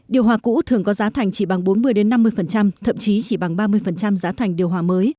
điều hòa cũ thường có giá thành chỉ bằng bốn mươi năm mươi thậm chí chỉ bằng ba mươi giá thành điều hòa mới